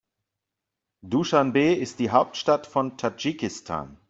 Duschanbe ist die Hauptstadt von Tadschikistan.